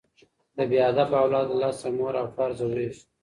د بې ادبه اولاد له لاسه مور او پلار ځوریږي.